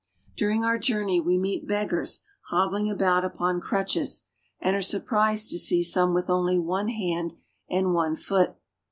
During our journey we meet beggars hobbling about upon crutches, and are surprised to see some with only hand and one foot.